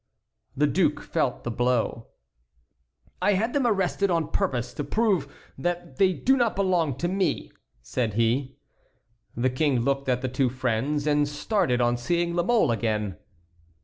The duke felt the blow. "I had them arrested on purpose to prove that they do not belong to me," said he. The King looked at the two friends and started on seeing La Mole again.